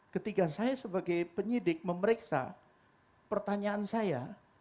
ketika saya sebagai penyidik memeriksa pertanyaan saya